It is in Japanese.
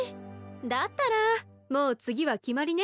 だったらもう次は決まりね。